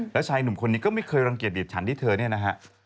แล้วชายหนุ่มคนนี้ก็ไม่เคยรังเกียจดีดฉันที่เธอเนี่ยนะฮะ